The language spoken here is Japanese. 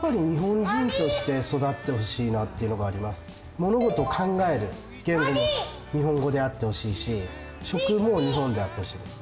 物事を考える言語も日本語であってほしいし食事も日本であってほしい。